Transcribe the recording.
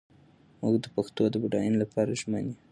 موږ د پښتو د بډاینې لپاره ژمن یو.